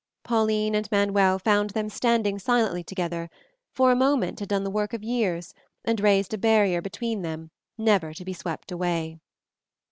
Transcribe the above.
Pauline and Manuel found them standing silently together, for a moment had done the work of years and raised a barrier between them never to be swept away.